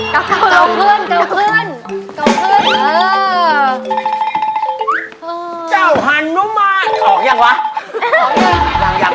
เกลือเพื่อน